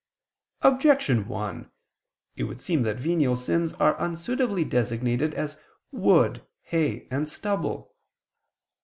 Objection 1: It would seem that venial sins are unsuitably designated as "wood, hay, and stubble."